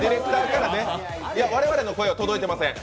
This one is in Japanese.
我々の声は届いていません。